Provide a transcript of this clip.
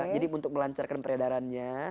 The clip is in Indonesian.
jadi untuk melancarkan peredarannya